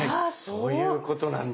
そういうことなんだ。